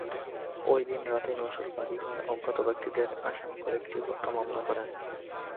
ওইদিন রাতেই নজরুল বাদী হয়ে অজ্ঞাত ব্যক্তিদের আসামি করে একটি হত্যা মামলা করেন।